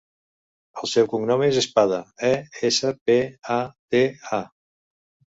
El seu cognom és Espada: e, essa, pe, a, de, a.